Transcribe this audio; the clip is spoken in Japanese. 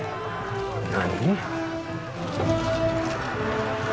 何！